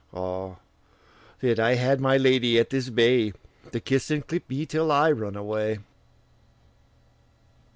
Ah, that I had my lady at this bay, To kiss and clip me till I run away!